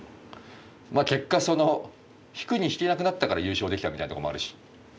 まあ結果その引くに引けなくなったから優勝できたみたいなとこもあるし。